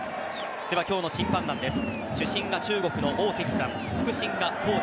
では、今日の審判団です。